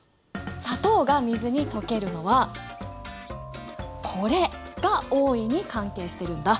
砂糖が水に溶けるのはこれが大いに関係してるんだ！